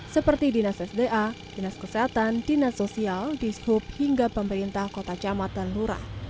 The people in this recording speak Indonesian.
seperti dinas sda dinas kesehatan dinas sosial dishub hingga pemerintah kota camat dan lurah